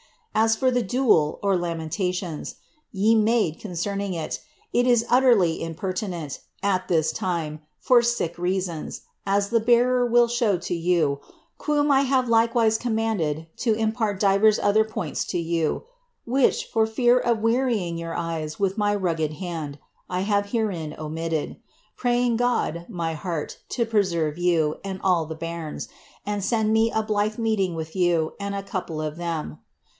As for the dool (lamentations) ye made concern ing it, it is utterly impertinent, at this time, for tie reasons, as the bearer will •bow to you, ^ukom I have likewise commanded to impart divers other points to you, which, for fear of wearying your eyes with my rugged hand, I have herein omitted. Praying God, my heart, to preserve you, and all the bcdrns, and send me a blyth meeting with you, and a couple of them.